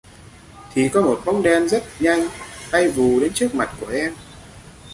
thì có một bóng đen rất nhanh, bay vù đến trước mặt của em